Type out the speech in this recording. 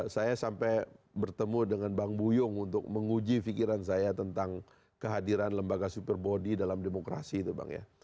saya sampai bertemu dengan bang buyung untuk menguji pikiran saya tentang kehadiran lembaga super body dalam demokrasi itu bang ya